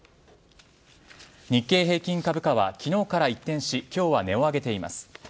日経平均株価は、昨日から一転し今日は値を上げています。